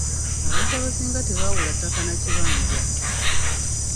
Abantu abasinga tebaawula ttaka na kibanja.